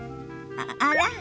あら？